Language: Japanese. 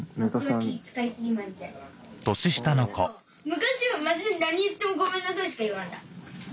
昔はマジで何言っても「ごめんなさい」しか言わなかった。